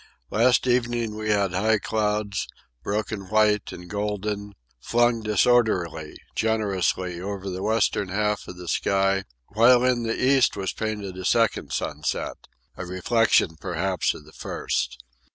Last evening we had high clouds, broken white and golden, flung disorderly, generously, over the western half of the sky, while in the east was painted a second sunset—a reflection, perhaps, of the first.